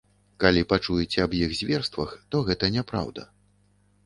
Калі пачуеце аб іх зверствах, то гэта няпраўда.